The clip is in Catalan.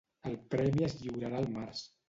El premi es lliurarà al març.